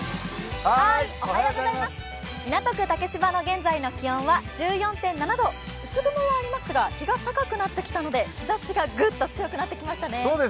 港区竹芝の現在の気温は１４．７度、薄雲はありますが、日が高くなってきたので日ざしがぐっと強くなってきましたね。